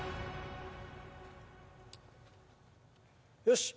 よし。